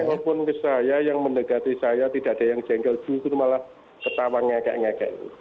yang ngelukun ke saya yang menegati saya tidak ada yang jengkel juga malah ketawa ngekek ngekek